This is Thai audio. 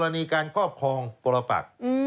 ในกรณีการขอบครองประปรากฏ